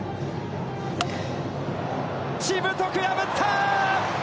しぶとく破った！